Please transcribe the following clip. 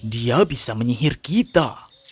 dia bisa menyehir kita